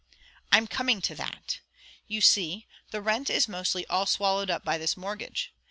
"I'm coming to that. You see the rent is mostly all swallowed up by this mortgage.